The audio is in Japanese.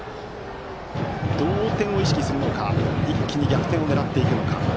同点を意識するのか一気に逆転を狙うのか。